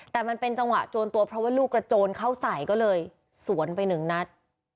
แต่มันเป็นจังหวะโจรตัวเพราะว่าลูกกระโจนเข้าใส่ก็เลยสวนไปหนึ่งนัด